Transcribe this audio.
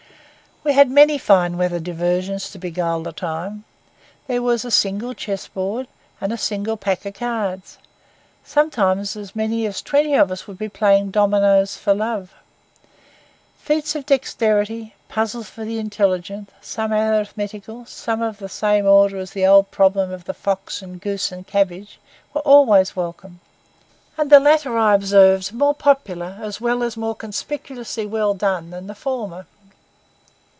We had many fine weather diversions to beguile the time. There was a single chess board and a single pack of cards. Sometimes as many as twenty of us would be playing dominoes for love. Feats of dexterity, puzzles for the intelligence, some arithmetical, some of the same order as the old problem of the fox and goose and cabbage, were always welcome; and the latter, I observed, more popular as well as more conspicuously well done than the former.